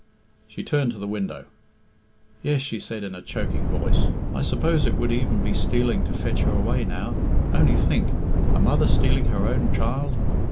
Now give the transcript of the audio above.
She turned to the window. "Yes," she said, in a choking voice, "I suppose it would even be stealing to fetch her away now. Only think! A mother stealing her own child!